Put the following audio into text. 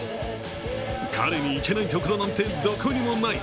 彼に行けないところなんでどこにもない！